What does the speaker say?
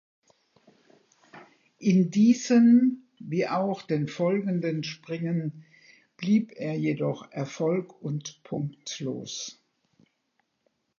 In diesem wie auch den folgenden Springen blieb er jedoch erfolg- und punktlos.